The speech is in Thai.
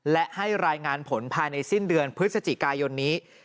และให้รายงานผลภายในสิ้นเดือนพฤศจิกายนนี้